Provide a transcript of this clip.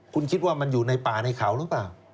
คุณคิดว่ามันอยู่ในป่าในเขาหรือเปล่า